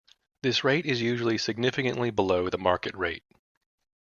This rate is usually significantly below the market rate.